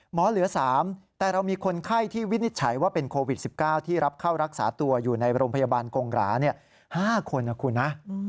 เหลือ๓แต่เรามีคนไข้ที่วินิจฉัยว่าเป็นโควิด๑๙ที่รับเข้ารักษาตัวอยู่ในโรงพยาบาลกงหรา๕คนนะคุณนะ